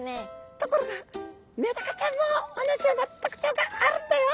ところがメダカちゃんも同じような特徴があるんだよ！